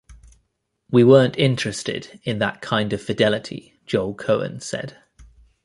"We weren't interested in that kind of fidelity," Joel Coen said.